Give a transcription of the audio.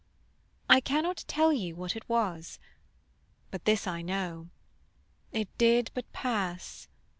I cannot tell you what it was; But this I know: it did but pass.